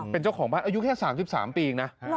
เป็นเจ้าของบ้านอายุแค่๓๓ปีเองนะ